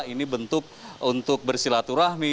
ini bentuk untuk bersilaturahmi